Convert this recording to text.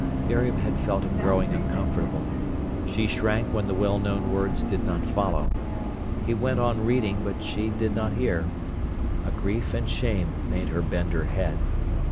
Miriam had felt him growing uncomfortable. She shrank when the well known words did not follow. He went on reading, but she did not hear. A grief and shame made her bend her head.